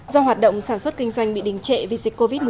do hoạt động sản xuất kinh doanh bị đình trệ vì dịch covid một mươi